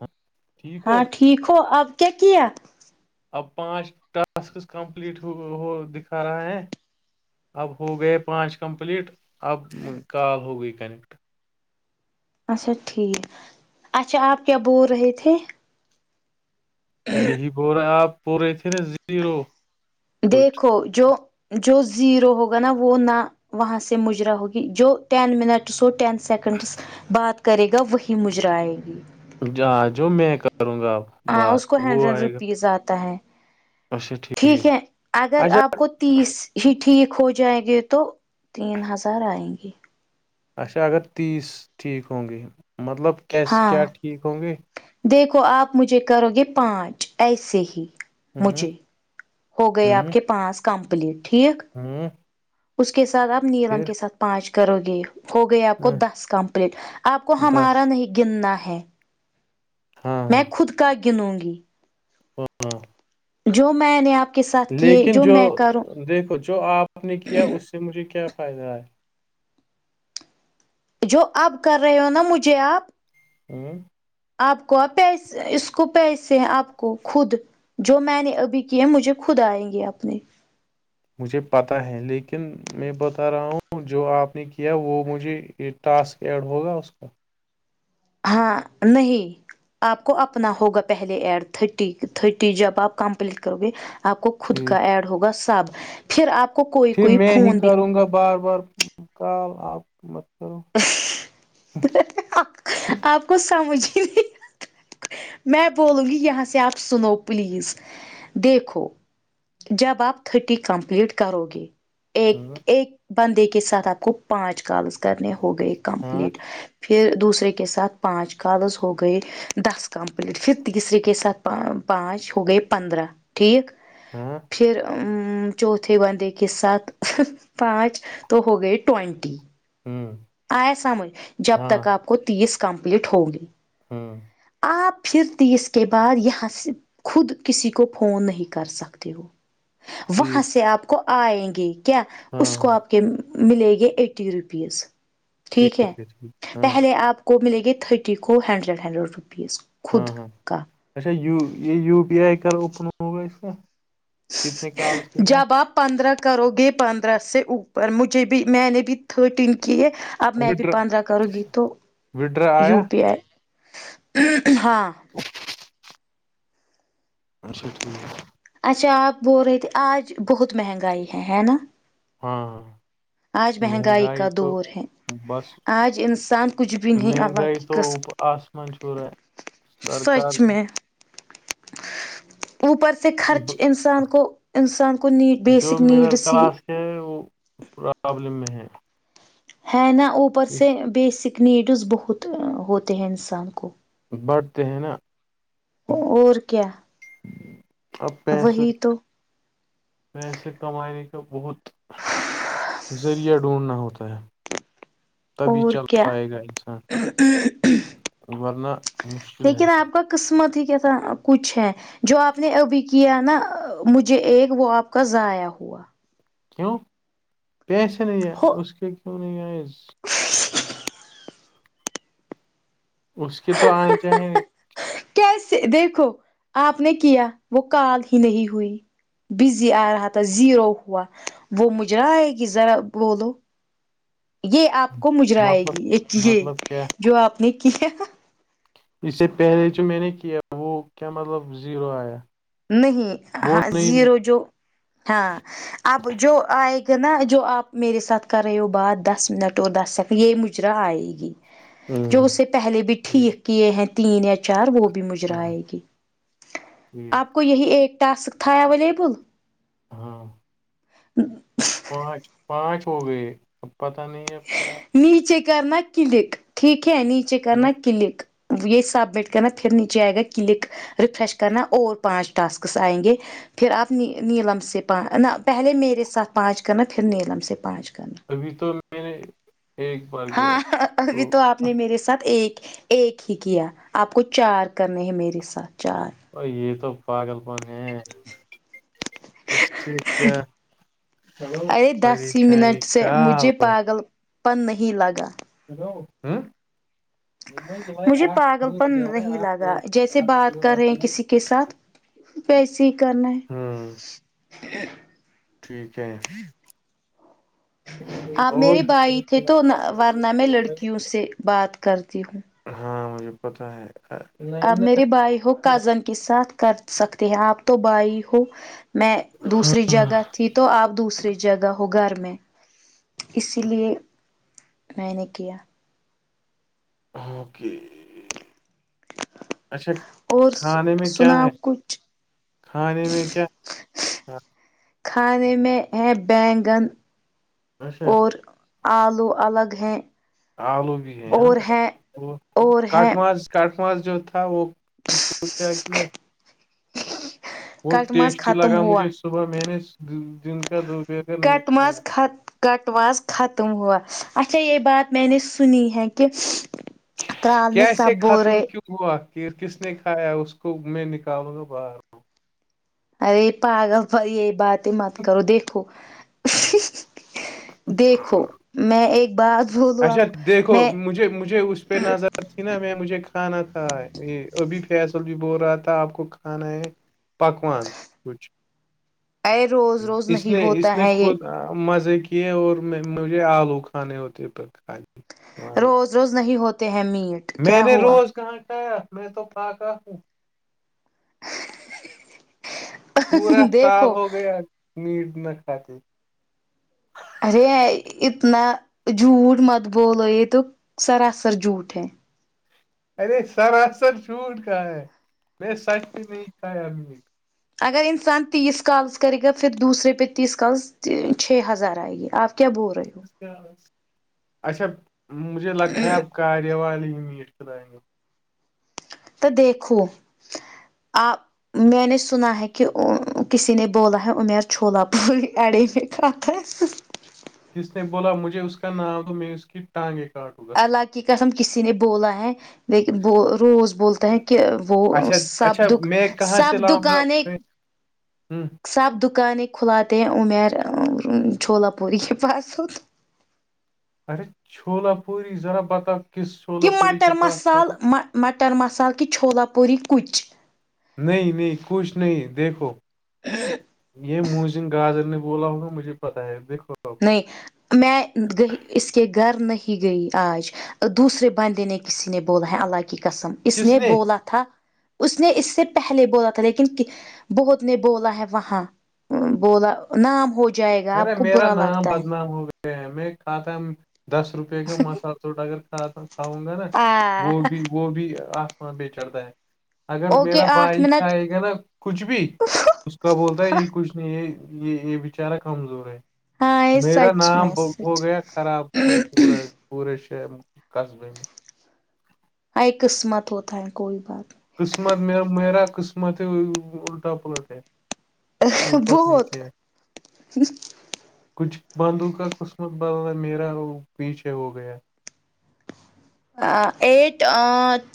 ہاں ہاں ٹھیک ہو اب کیا کیا اب پانچ ٹاسکس کمپلیٹ ہو دکھا رہا ہے اب ہو گئے پانچ کمپلیٹ اب کال ہو گئی کنیکٹ اچھا ٹھیک اچھا آپ کیا بول رہے تھے یہی بول رہا آپ بول رہے تھے نا زیرو کچھ دیکھو جو جو زیرو ہوگانا وہ نہ وہاں سے مجرا ہوگی جو ٹین منٹس ہو ٹین سیکنڈس بات کرے گا وہی مجرائے گا جاں جو میں کروں گا اب ہاں بات اس کو وہ ہنڈریڈ آئے گا روپیز آتا ہے اچھا ٹھیک ٹھیک ہے اگر اچھا آپ کو تیس ہی ٹھیک ہو جائیں گے تو تین ہزار آئیں گی اچھا اگر تیس ٹھیک ہوں گے مطلب کیس کیا ہاں ٹھیک ہوں گے دیکھو آپ مجھے کرو گے پانچ ایسے ہی ہوں مجھے ہو گئے آپ ہوں کے پانچ کمپلیٹ ٹھیک ہوں اس کے ساتھ آپ نیلم پھر کے ساتھ پانچ کرو گے ہو گئی آپ کو دس کمپلیٹ آپ کو دس ہمارا نہیں گننا ہے ہاں میں خود کا گنوں گی ہ [inaudible] جو میں نے آپ کے ساتھ کیے جو میں کروں دیکھو جو آپ نے کیا اس سے مجھے کیا فائدہ ایا جو اب کر رہے ہو نا مجھے آپ ہوں آپ کو آ پیسے اس کو پیسے ہیں آپ کو خود جو میں نے ابھی کیے ہیں مجھے خود آئیں گے اپنے مجھے پتہ ہے لیکن میں بتا رہا ہوں جو آپ نے کیا وہ مجھے یہ ٹاسک ایڈ ہوگا اس کا ہاں نہیں آپ کو اپنا ہوگا پہلے ایڈ تٹھٹی تٹھٹی جب آپ کمپلیٹ کرو گے آپ کو خود کا ٹھیک ایڈ ہوگا سب پھر آپ کو کوئی پھر کوئی میں ہی فون بھی کروں گا بار بار کال آپ مت کرو آپ کو سمجھ ہی نہیں آتا میں بولوں گی یہاں سے آپ سنو پلیز دیکھو جب آپ تٹھٹی کمپلیٹ کرو گے ہاں ایک ایک بندے کے ساتھ آپ کو پانچ کالز کرنے ہوگئے ہاں کمپلیٹ پھر دوسرے کے ساتھ پانچ کالذ ہو گئے دس کمپلیٹ پھر تیسرے کے ساتھ پانچ ہو گئے پندرہ ٹھیک ہاں پھر چوتھے بندے کے ساتھ پانچ تو ہو گئے ٹوونٹی ہوں آئے سمجھ جب ہاں تک آپ کو تیس کمپلیٹ ہوگی ہوں آپ پھر تیس کے بعد یہاں سے خود کسی کو فون نہیں کر سکتے ہو وہاں ٹھیک سے آپ کو آئیں گے کیا ہاں اس کو ہاں آپ کے ملے گے ایٹی روپیز ٹھیک ہے ٹھیک ہاں آپ کو ملے گے تھرٹی کو ہنڈریڈ ہنڈریڈ روپیز خود ہاں ہاں کا اچھا یہ یو پی آئی کر اوپن ہوگا اسکا کتنے کالس کے بعد جب آپ پندرہ کرو گے پندرہ سے اوپر مجھے بھی میں نے بھی تھرٹین کیے اب میں ابھی وڈرا پندرہ کروں گی تو وڈرا آیا یو پی آئی ہاں اچھا ٹھیک اچھا آپ بول رہے تھے آج بہت مہنگائی ہے ہے نا ہاں ہاں آج مہنگائی کا دور ہے بس آج انسان کچھ بھی نہیںں اللہ مہنگائی کی تو اوپ- آسمان چھو قسم رہا ہے سچ سرکار میں اوپر ‌ سے خرچ ب- ا انسان کو انسان کو نیڈ بیسک جو مڈل نیڈس ہی کلاس وہ پرابلم میں ہے ہے نا اوپر سے اس بیسک نیڈز بہت ہوتے ہیں انسان کو بڑھتے ہیں نا اور کیا اب پیسے وہی تو پیسے کمانے کا بہت ذریعہ ڈھونڈھنا ہوتا ہے تبھی اور چل کیا پائے گا انسان ورنا مشکل ہے لیکن آپ کا قسمت ہی کیا کچھ ہے جو آپ نے ابھی کیا نا مجھے ایک وہ آپ کا ضائع ہوا کیوں پیسے نہیں ہیں ہو اس کے کیوں نہیں آئے اس کی تو آنے چاہیں کیسے دیکھو آپ نے کیا وہ کال ہی نہیں ہوئی بزی آ رہا تھا زیرو ہوا وہ مجرا آئے گی ذرا بولو [unintelligible] یہ آپ کو مجرائے مطلب گی ایک یہ مطلب کیا جو آپ نے کیا اس سے پہلے جو میں نے کیا وہ کیا مطلب زیرو آیا نہیں وہ ہاں نہیں مجھ- زیرو جو ہاں اب جو آئے گا نا جو آپ میرے ساتھ کر رہے ہو بات دس منٹ اور دس سیکنڈ یہ مجرا آئے گی جو ہوں، اس سے پہلے بھی ٹھیک کیے ہیں تین یا چار وہ بھی مجرا ہاں اائے گی ٹھیک آپ کو یہی ایک ٹاسک تھا اویلیبل ہاں ہ پانچ پانچ ہو گئے اب پتہ نہیں ہے اب کیا نیچے کرنا کلک ٹھیک ہے نیچے ہے۔ کرنا ہاں کلک یہی سبمٹ کرنا پھر نیچے آئے گا کلک ریفریش کرنا اور پانچ ٹاسکس آئیں گے پھر آپ نیلم سے پ نہ پہلے میرے ساتھ پانچ کرنا پھر نیلم سے پانچ کرنا ابھی تو میں نے ایک بار گیا ہاں ابھی تو آپ نے میرے ساتھ ایک ایک ہی کیا آپ کو چار کرنے ہیں میرے ساتھ چار ا یہ تو پگل پن ہے اس سے کیا ارے دس ہی پریشانی منٹ سے کا مجھے ہو پاگل پن نہیں لگا ہیلو ہ مجھے پاگل پن نہیں لگا جیسے بات کر رہے ہیں کسی کے ساتھ پسیی کرنا ہے ٹھیک ہے آپ اور میرے بھائی تھے تو ورنہ میں لڑکیوں سے بات کرتی ہوں ہاں مجھے پتاہ ہے آپ میرے بھائی ہو کزن کے ساتھ کر سکتے ہیں آپ تو بھائی ہو میں دوسری جگہ تھی تو آپ دوسری جگہ ہو گھر میں اسی لیے میں نے کیا اوکے اچھا اور کھانے میں کیا سناؤ ہے کچھ کھانے میں کیا تھا؟ کھانے میں ہے بینگن اچھا اور آلو الگ ہیں آلو بھی ہیں ہاں اور ہے وہ اور ہے کٹ ماج کٹ ماج جو تھا وہ اس کو کیا کیا بہت کٹ ماز ٹیسٹی ختم لگا ہوا مجھے صبح میں نے دن کا دو کٹ ماز خت کٹ ماز ختم ہوا اچھا یہ بات میں نے سنئ ہے کہ ترال میں سب کیسے بول ختم رہے کیوں ہوا پھر کس نے کھایا اس کو میں نکالوں گا باہر ارے پاگل بھائی یہ بات ہی مت کرو دیکھو دیکھو میں ایک بات [inaudible] بولوں اچھا آپ کو دیکھو میں مجھے مجھے اس پہ نظر اچ نا میں مجھے کھانا تھا یہ ابھی فیصل بھی بول رہا تھا آپ کو کھانا ہے پکوان کچھ ارے روز روز اس نہیں نے اس ہوتا نے ہے یہ خود مزے کی یہ اور میں مجھے آلو کھانے ہوتے پت ہا روز روز نہیں ہوتے ہیں میٹ میں کیا نے ہوا روز کہاں کھایا میں تو پھخا ہوں پورا سال دیکھو ہو گیا میٹ نہ کھاتے ارے اتنا جھوٹ مت بولو یہ تو سراسر جھوٹ ہے ارے سراسر چھوٹ کہا ہے میں سچ میں نہیں کھایا میٹ اگر انسان تیس کالس کرے گا پھر دوسرے پہ تیس کالس چھ ہزار آئے گی آپ کیا بول رہے ہو اچھا مجھے لگتا ہے اب کارے والی میٹ کھلائ گے آپ تو دیکھو آ میں نے سنا ہے کہ کسی نے بولا ہے امیر چھلا پی اڑے میں کھتا ہے کس نے بولا مجھے اس کا نام تو میں اس کی ٹانگے کاٹوں گا اللہ کی قسم کسی نے بولا ہے لیکن ب روز بولتا ہیں کہ وہ اچھا سب اچھا دک میں سب دکانیں ہوں سب دکانیں کھلاتے ہیں امیر چھولا پوری کے پاس ہوتا ارے چھولا پوری ذرا بتاؤ کس چھولا کہ پوری کے مٹر پاس ب مسال مٹر مسال کہ چھلا پوری کچ نہیں نہیں کچھ نہیں دیکھو یہ موزن گاجر نے بولا ہوگا مجھے پتاہ ہے بو نہیں میں گ اس کے گھر نہیں گئی آج دوسرے بندے نے کسی نے بولا ہے اللہ کی قسم اس نے بولا تھا اس نے اس سے پہلے بولا تھا لیکن بہت نے بولا ہے وہاں بولا نام ہو جائے گا آپ ارے کو میرا برا نام لگتا ہے بدنام ہو گیا ہے میں کھتا دس روپئے کا مسالہ ثوٹ اگر کھاؤں گانا ہاں وہ بھی وہ بھی آ سر پہ چڑتا ہے اگر اوکے میرا آٹھ بھائی منٹ کھائے گانا کچھ بھی اس کا بولتا ہے یہ کچھ نہیں ہے یہ یہ بچارا کمزور ہے ہاں یہ میرا سچ نام میں ہو سچ گیا خراب پورا [unintelligible] پورے شہر میں قصبے میں ہے قسمت ہوتا ہے کوئی بات [unintelligible] قسمت میںیر میرا قسمت الٹا پلٹ ہے اوپر بہت نیچے ہے [unintelligible] کچھ بندو کا قسمت بدل میرا وہ پیچھے ہو گیا آ ایٹ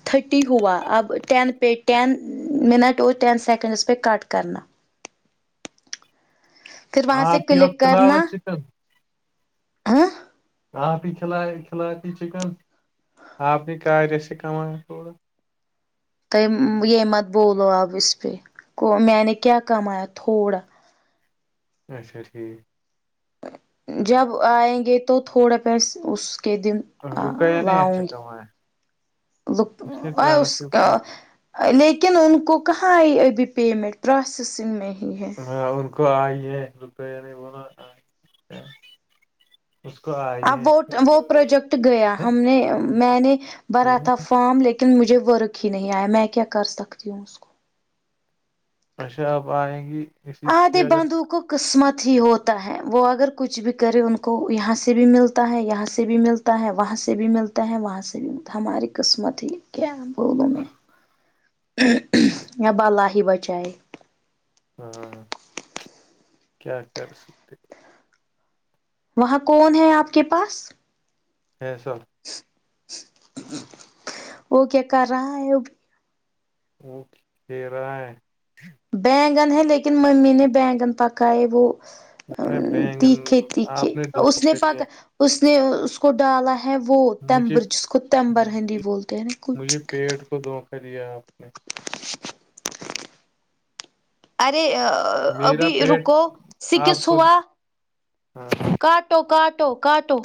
تھٹی ہوا اب ٹین پہ ٹین منٹ اور ٹین سیکنڈس پہ کٹ کرنا پھر وہاں سے آپ ہی کلک اوکھالا کرنا چکن ہاں ہاپ ہی کھل کھلاتی چکن اپ ہی کار سکھاوا تھوڑا توم یہ مت بول آپ اس پہ میں نے کیا کمایا تھوڑا اچھا ٹھیک جب آئیں گے تو تھوڑا پیس اس کے دن آ رکیا نے لاؤں اچھا گی کمایا ل اس نے آ اس کا ٹرانسکرپشن لیکن ان کو کہاں آئی ابھی پیمنٹ پروسیسنگ میں ہی ہے ہاں ان کو آج یہ کوکیا نے بولا اس کو [unintelligible] اب وہ وہ پروجیکٹ گیا ہیں؟ ہم نے میں نے بھرا تھا فارم لیکن لن مجھے ورق ہی نہیں آیا میں کیا کر سکتی ہوں اس کو اچھا اب آے گی اسی آ دے کے اگر بندو کو قسمت ہی ہوتا ہے وہ اگر کچھ بھی کرے ان کو یہاں سے بھی ملتا ہے یہاں سے بھی ملتا تا ہے وہاں سے بھی ملتا ہے وہاں سے بھی ملتا ہے ہماری قسمت ہی کیا بولوں میں ہاں [unintelligible] اب اللہ ہی بچائیے ہاں کیا کر سکتے ہو وہاں کون ہے آپ کے پاس فیصل وہ کیا کر رہا ہے وہ کہ رہا ہے بینگن ہے لیکن ممی نے بینگن پکائے وہ [unintelligible] ارے بینگن تیکھے تیکھے آپ نے اس دوکھا ریا پکا اس نے اس کو ڈالا ہے وہ مجھے تمبر جس کو تمبر ہندی بولتے ہیں نا کچھ مجھے پیٹ کو دھوکا دیا آپ نے ارے میرا ابھی پیٹ رکو سکس آپ کو ہوا ہاں کاٹ کاٹو کاٹو کاٹو